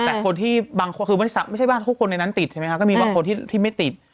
แต่คนที่บางคนคือไม่ใช่ว่าทุกคนในนั้นติดใช่ไหมครับก็มีบางคนที่ไม่ติด